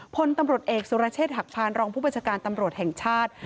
พลตำรวจเอกสุรเชษฐหักพานรองผู้บัญชาการตำรวจแห่งชาติ